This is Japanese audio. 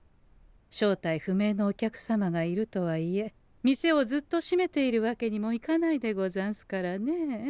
正体不明のお客様がいるとはいえ店をずっと閉めているわけにもいかないでござんすからね。